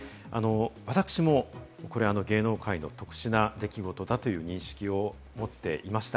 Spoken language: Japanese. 私もこれ、芸能界の特殊な出来事だという認識を持っていました。